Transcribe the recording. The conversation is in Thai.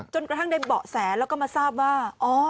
กระทั่งได้เบาะแสแล้วก็มาทราบว่า